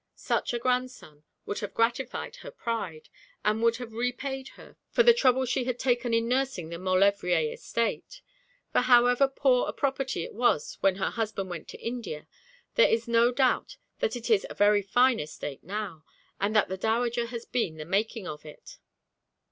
Such a grandson would have gratified her pride, and would have repaid her for the trouble she had taken in nursing the Maulevrier estate; for however poor a property it was when her husband went to India there is no doubt that it is a very fine estate now, and that the dowager has been the making of it.'